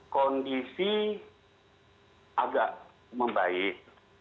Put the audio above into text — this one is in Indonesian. kondisi agak membaik